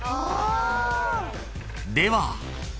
では］